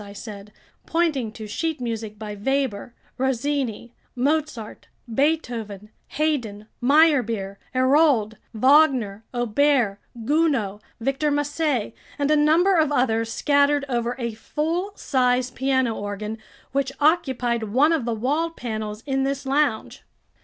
I said, pointing to sheet music by Weber, Rossini, Mozart, Beethoven, Haydn, Meyerbeer, Hérold, Wagner, Auber, Gounod, Victor Massé, and a number of others scattered over a full size piano organ, which occupied one of the wall panels in this lounge.